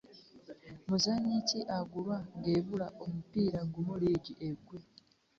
Muzannyi ki agulwa ng'ebula omupiira gumu liigi eggwe?